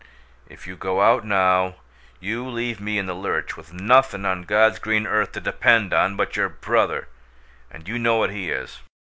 If you go out now, you leave me in the lurch, with nothin' on God's green earth to depend on but your brother and you know what he is.